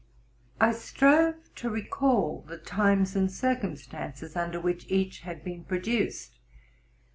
I strove to recall the times and circumstances under which each had been produced.